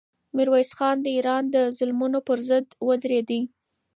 میرویس خان د ایران د ظلمونو پر ضد ودرېدی.